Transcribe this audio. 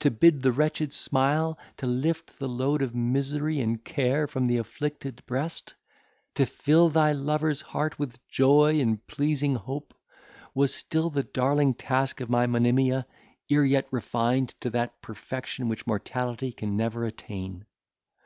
To bid the wretched smile, to lift the load of misery and care from the afflicted breast; to fill thy lover's heart with joy and pleasing hope, was still the darling task of my Monimia, ere yet refined to that perfection which mortality can never attain.